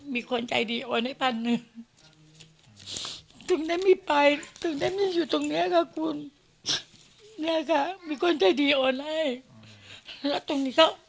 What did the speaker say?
มีคนใจดีโอนให้พัฒนหนึ่ง